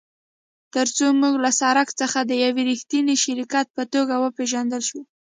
ترڅو موږ له سړک څخه د یو ریښتیني شرکت په توګه وپیژندل شو